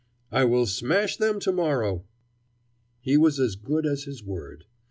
"I will smash them to morrow." He was as good as his word.